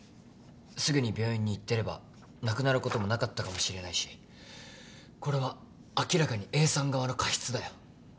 すぐに病院に行ってれば亡くなることもなかったかもしれないしこれは明らかにＡさん側の過失だよ。